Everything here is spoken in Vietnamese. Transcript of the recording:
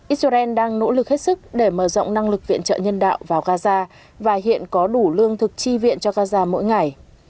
israel đang nỗ lực hết sức để mở rộng năng lực viện trợ nhân đạo vào gaza và hiện có đủ lương thực chi viện cho gaza mỗi ngày